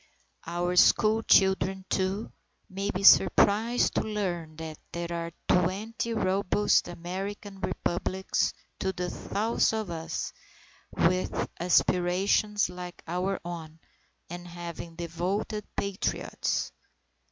Our school children, too, may be surprised to learn, that there are 20 robust American Republics to the south of us, with aspirations like our own, and having devoted Patriots.